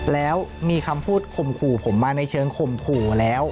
แล้วมีคำพูดข่มขู่ผมมาในเชิงข่มขู่แล้ว